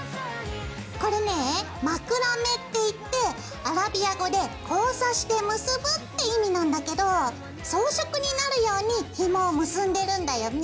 これねまくらめっていってアラビア語で「交差して結ぶ」って意味なんだけど装飾になるようにひもを結んでるんだよね。